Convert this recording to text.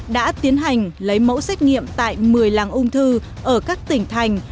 đã tiến hành lấy mẫu xét nghiệm tại một mươi làng ung thư ở các tỉnh thành